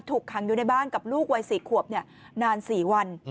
ถูกขังอยู่ในบ้านกับลูกวัย๔ขวบนาน๔วัน